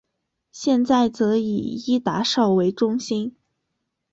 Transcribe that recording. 现在则以伊达邵为中心。